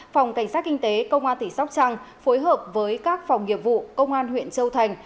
phòng cảnh sát kinh tế công an tỉnh sóc trăng phối hợp với các phòng nghiệp vụ công an huyện châu thành